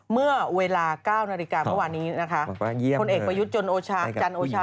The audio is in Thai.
เมื่อเวลา๙นาฬิกาเมื่อวานนี้นะคะพลเอกประยุทธ์จันโอชาจันโอชา